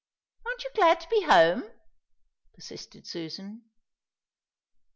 "Aren't you glad to be home?" persisted Susan.